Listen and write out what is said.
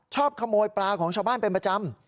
ชอบขโมยปลาของชาวบ้านเป็นประจำ